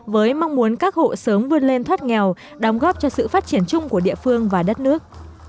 với mong muốn các hộ sớm vươn lên thoát nghèo đóng góp cho sự phát triển chung của địa phương và đất nước